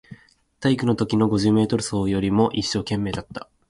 体育のときの五十メートル走よりも一生懸命だった